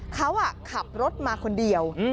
เขาขับรถมาคนเดียว